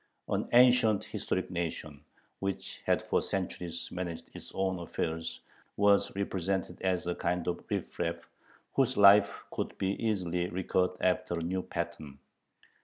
An ancient historic nation, which had for centuries managed its own affairs, was represented as a kind of riffraff, whose life could be easily recut after a new pattern.